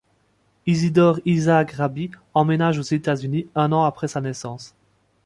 Isidor Isaac Rabi emménage aux États-Unis un an après sa naissance.